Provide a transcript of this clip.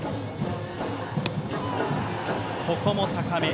ここも高め。